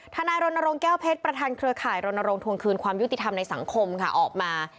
นายรณรงค์แก้วเพชรประธานเครือข่ายรณรงควงคืนความยุติธรรมในสังคมค่ะออกมา